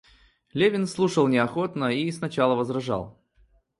Левин слушал неохотно и сначала возражал.